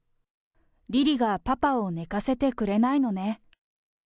リリがパパを寝かせてくれないのね。